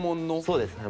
そうですね。